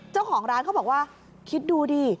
เจ้าของร้านเขาบอกว่าคิดดูดิ